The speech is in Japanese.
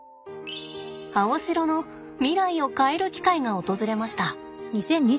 アオシロの未来を変える機会が訪れました。